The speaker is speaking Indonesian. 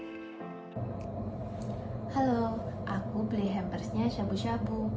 halo aku beli hampersnya syabu syabu